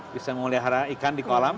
bisa memelihara ikan di kolam